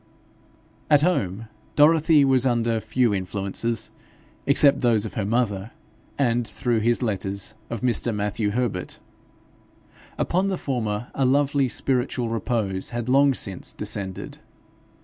At home Dorothy was under few influences except those of her mother, and, through his letters, of Mr. Matthew Herbert. Upon the former a lovely spiritual repose had long since descended.